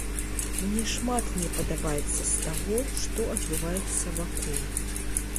Мне шмат не падабаецца з таго, што адбываецца вакол.